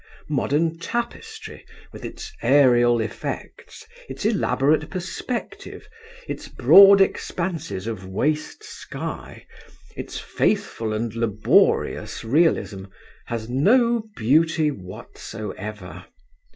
Modern tapestry, with its aërial effects, its elaborate perspective, its broad expanses of waste sky, its faithful and laborious realism, has no beauty whatsoever.